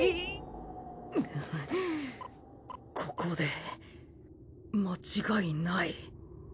ここで間違いない。